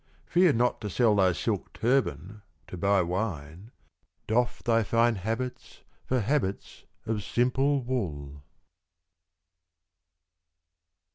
Fear not to sell thy silk Turban, to buy Wine. Doff thy fine Habits for Habits of simple Wool.